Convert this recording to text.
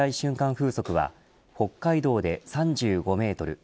風速は北海道で３５メートル